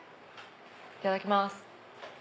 いただきます。